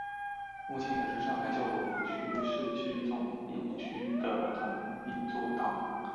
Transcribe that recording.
目前也是上海教区市区总铎区的总铎座堂。